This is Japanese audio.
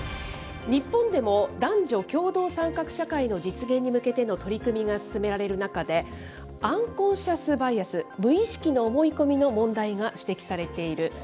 日本でも男女共同参画社会の実現に向けての取り組みが進められる中で、アンコンシャス・バイアス、無意識の思い込みの問題が指摘されている。